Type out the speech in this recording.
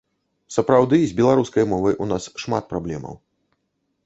Сапраўды, з беларускай мовай у нас шмат праблемаў.